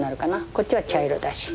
こっちは茶色だし。